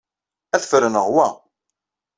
Ad ferneɣ wa.